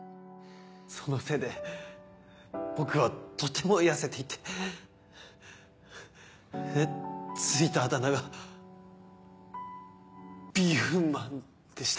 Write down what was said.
そのせいで僕はとても痩せていて付いたあだ名がビーフンマンでした。